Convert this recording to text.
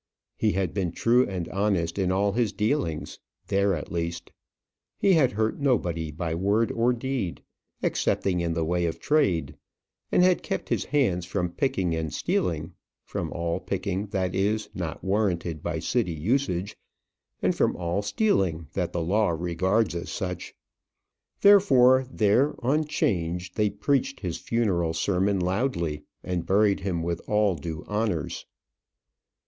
He had been true and honest in all his dealings there, at least. He had hurt nobody by word or deed excepting in the way of trade. And had kept his hands from picking and stealing from all picking, that is, not warranted by City usage, and from all stealing that the law regards as such. Therefore, there, on 'Change, they preached his funeral sermon loudly, and buried him with all due honours.